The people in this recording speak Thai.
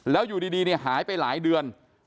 แล้วอยู่ดีหายไปหลายเดือน